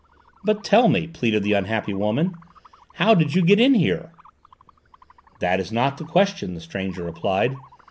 "But tell me," pleaded the unhappy woman, "how did you get in here?" "That is not the question," the stranger replied.